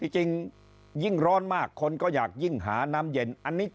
จริงยิ่งร้อนมากคนก็อยากยิ่งหาน้ำเย็นอันนี้